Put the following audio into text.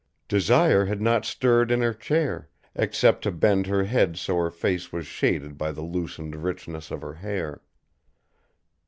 Desire had not stirred in her chair, except to bend her head so her face was shaded by the loosened richness of her hair.